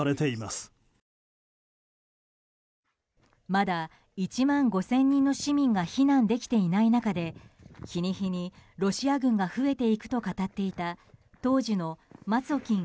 まだ１万５０００人の市民が避難できていない中で日に日にロシア軍が増えていくと語っていた当時のマツォキン